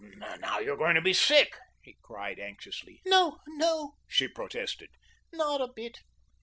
"Now you're going to be sick," he cried anxiously. "No, no," she protested, "not a bit."